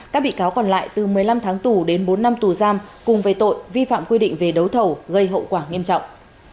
các bị cáo còn lại từ một mươi năm tháng tù đến bốn năm tù giam cùng về tội vi phạm quy định về đấu thầu gây hậu quả nghiêm trọng